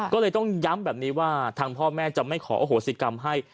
ก็เลยต้องย้ำแบบนี้ว่าทางพ่อแม่จะไม่ขออโหสิกรรมให้